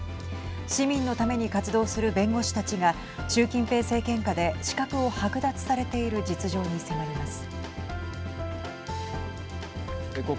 市民のために活動する弁護士たちが習近平政権下で資格を剥奪されている実情に迫ります。